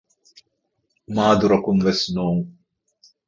މާދުރަކުން ވެސް ނޫން